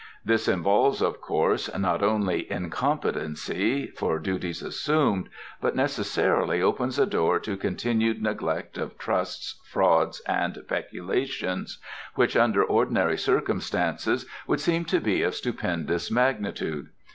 This involves, of course, not only incompetency for duties assumed, but necessarily opens a door to continued neglect of trusts, frauds, and peculations, which, under ordinary circumstances, would seem to be of stupendous magnitude.